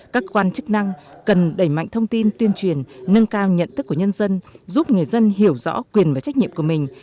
các quan chức năng cần đẩy mạnh thông tin tuyên truyền nâng cao nhận thức của nhân dân giúp người dân hiểu rõ quyền và trách nhiệm của mình